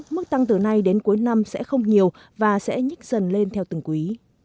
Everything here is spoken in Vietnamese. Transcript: mức tăng từ nay đến cuối năm sẽ không nhiều và sẽ nhích dần lên theo từng quý